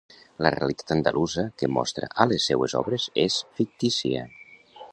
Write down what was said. La realitat andalusa que mostra a les seues obres és fictícia.